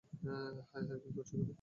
High hi কি করছো এখানে?